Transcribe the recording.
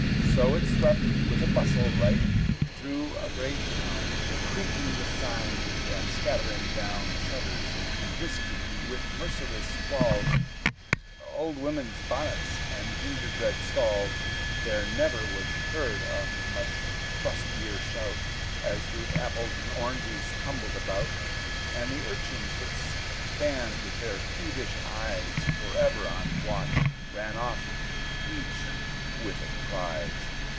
So it swept with a bustle right through a great town, Creaking the signs, and scattering down Shutters, and whisking, with merciless squalls, Old women's bonnets and gingerbread stalls. There never was heard a much lustier shout, As the apples and oranges tumbled about; And the urchins, that stand with their thievish eyes Forever on watch, ran off each with a prize.